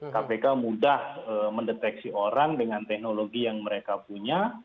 kpk mudah mendeteksi orang dengan teknologi yang mereka punya